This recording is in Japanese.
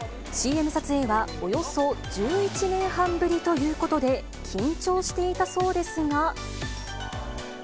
ＣＭ撮影はおよそ１１年半ぶりということで、緊張していたそうですが。